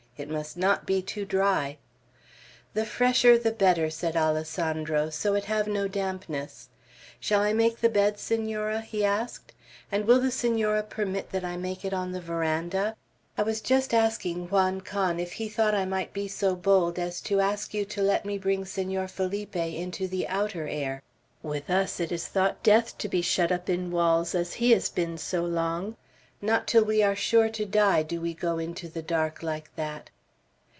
It must not be too dry." "The fresher the better," said Alessandro, "so it have no dampness. Shall I make the bed, Senora?" he asked, "and will the Senora permit that I make it on the veranda? I was just asking Juan Can if he thought I might be so bold as to ask you to let me bring Senor Felipe into the outer air. With us, it is thought death to be shut up in walls, as he has been so long. Not till we are sure to die, do we go into the dark like that."